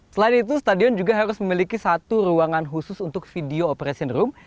selain itu stadion juga harus memiliki satu ruangan khusus untuk video operation room